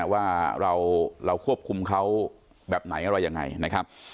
ว่าเราควบคุมเขาแบบไหนอะไรยังไงนะครับ